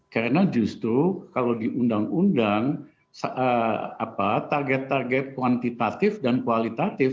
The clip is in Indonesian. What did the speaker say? karena justru kalau di undang undang target target kuantitatif dan kualitatif